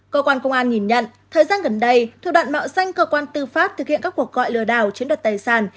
cơ quan công an nhìn nhận thời gian gần đây thủ đoạn mạo danh cơ quan tư pháp thực hiện các cuộc gọi lừa đảo chiếm đoạt tài sản